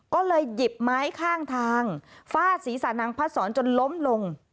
ก็เลยหยิบไม้ข้างทางฟาดศีรษะนางพัดสอนจนล้มลง